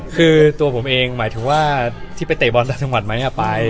คือตัวผมเองหมายถึงว่าที่ไปเตะบอลต่างจังหวัดไหมไป